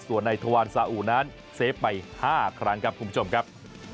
ส่วนในทวารสาอุนั้นเซฟไป๕ครั้งครับคุณผู้ชมครับ